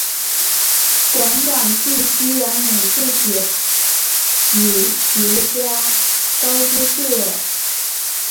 馆长是西洋美术史学家高阶秀尔。